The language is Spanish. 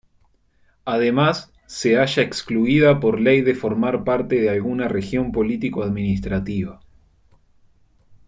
Además, se halla excluida por ley de formar parte de alguna región político-administrativa.